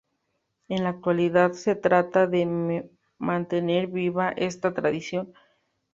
En la actualidad, se trata de mantener viva esta tradición.